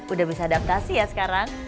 udah bisa adaptasi ya sekarang